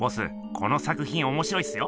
この作品おもしろいっすよ。